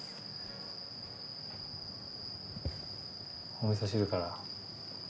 お味噌汁から。